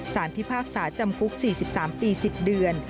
พิพากษาจำคุก๔๓ปี๑๐เดือน